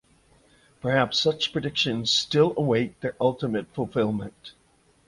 Perhaps such predictions still await their ultimate fulfilment.